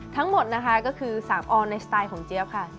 ทั้งหมดนะคะก็คือ๓ออนในสไตล์ของเจี๊ยบค่ะ